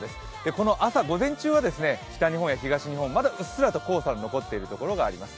この朝、午前中は北日本や東日本、まだうっすらと黄砂の残っている所があります。